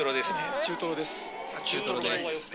中トロですね。